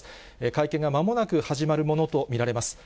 会見がまもなく始まるものと見られます。